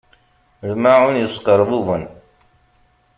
Lmaεun yesqerbuben.